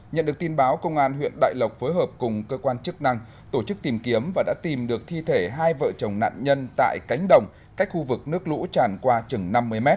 nhận được tin báo công an huyện đại lộc phối hợp cùng cơ quan chức năng tổ chức tìm kiếm và đã tìm được thi thể hai vợ chồng nạn nhân tại cánh đồng cách khu vực nước lũ tràn qua chừng năm mươi m